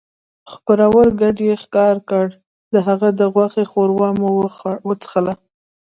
ښکرور ګډ ئې ښکار کړو، د هغه د غوښې ښوروا مو وڅښله